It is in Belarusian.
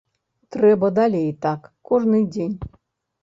Трэба далей так, кожны дзень.